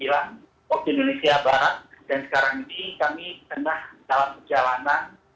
waktu indonesia barat dan sekarang ini kami tengah dalam perjalanan